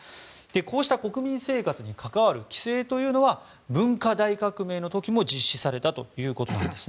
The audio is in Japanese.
こうした国民生活に関わる規制というのは文化大革命の時も実施されたということなんです。